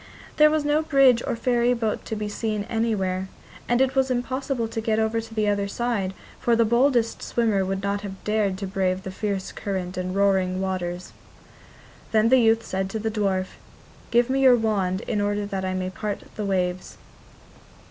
There was no bridge or ferryboat to be seen anywhere, and it was impossible to get over to the other side, for the boldest swimmer would not have dared to brave the fierce current and roaring waters. Then the youth said to the dwarf: 'Give me your wand in order that I may part the waves.